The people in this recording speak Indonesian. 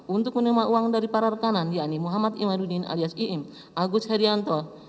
untuk menerima uang dari para rekanan yakni muhammad imarudin alias iim agus herianto